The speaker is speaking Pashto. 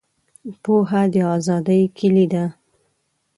پوهه د آزادۍ کیلي ده.